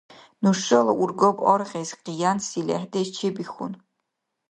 Нушала ургаб аргъес къиянси лехӀдеш чебихьун.